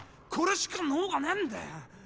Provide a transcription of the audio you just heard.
これしか能がねえんだよ。